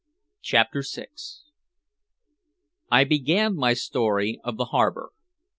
CHAPTER VI I began my story of the harbor.